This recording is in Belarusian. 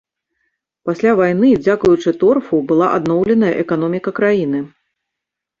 Пасля вайны, дзякуючы торфу, была адноўленая эканоміка краіны.